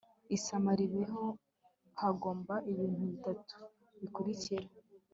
isama ribeho hagomba ibintu bitatu bikurikira